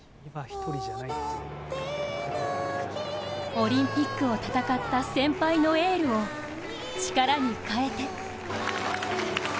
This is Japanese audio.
オリンピックを戦った先輩のエールを力に変えて。